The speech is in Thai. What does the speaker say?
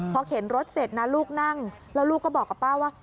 พอเข็นรถเสร็จนะลูกนั่งแล้วลูกก็บอกกับป้าว่า